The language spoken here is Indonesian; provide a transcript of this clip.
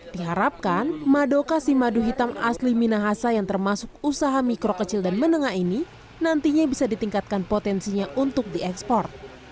diharapkan madokasi madu hitam asli minahasa yang termasuk usaha mikro kecil dan menengah ini nantinya bisa ditingkatkan potensinya untuk diekspor